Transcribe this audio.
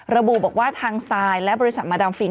ระบุบอกว่าทางซายและบริษัทมาดามฟิน